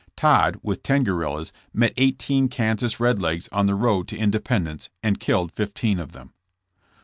Todd, with ten guerrillas, met eighteen Kansas Red Legs on the road to Independence, and killed fifteen of them.